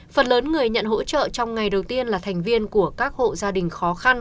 phần lớn người nhận hỗ trợ trong ngày đầu tiên là thành viên của các hộ gia đình khó khăn